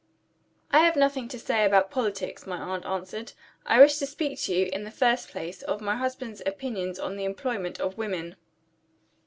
"I have nothing to say about politics," my aunt answered. "I wish to speak to you, in the first place, of my husband's opinions on the employment of women."